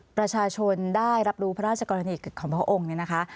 ประชาชนได้รับรู้พระราชกรณีของพระองค์เนี่ยนะคะ